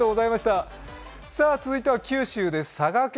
続いては九州です。